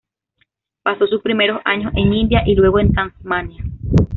Pasó sus primeros años en India y luego en Tasmania.